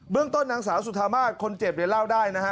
เบื้องต้นนักศาสตร์สุธมากคนเจ็บให้เล่าได้นะฮะ